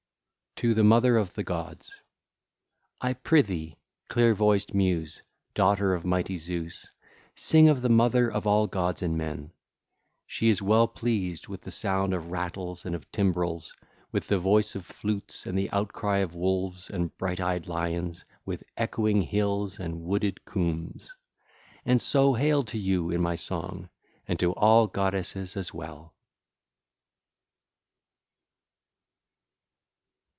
XIV. TO THE MOTHER OF THE GODS (ll. 1 5) I prithee, clear voiced Muse, daughter of mighty Zeus, sing of the mother of all gods and men. She is well pleased with the sound of rattles and of timbrels, with the voice of flutes and the outcry of wolves and bright eyed lions, with echoing hills and wooded coombes. (l. 6) And so hail to you in my song and to all goddesses as well!